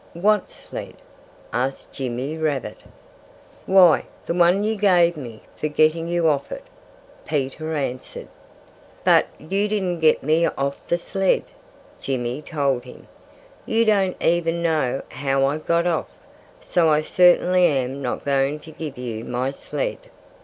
"What sled?" asked Jimmy Rabbit. "Why, the one you gave me for getting you off it," Peter answered. "But you didn't get me off the sled," Jimmy told him. "You don't even know how I got off. So I certainly am not going to give you my sled."